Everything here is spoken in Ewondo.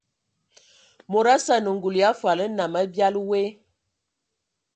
Mod osə anə ngul ya fol nnam abiali woe.